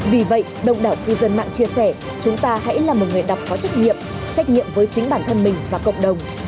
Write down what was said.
vì vậy đông đảo cư dân mạng chia sẻ chúng ta hãy là một người đọc có trách nhiệm trách nhiệm với chính bản thân mình và cộng đồng